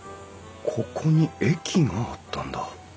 ここに駅があったんだ